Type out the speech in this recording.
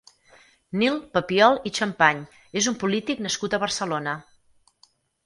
Nil Papiol i Champagne és un polític nascut a Barcelona.